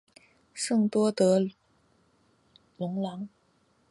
圣龙德多朗。